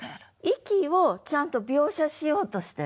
息をちゃんと描写しようとしてると。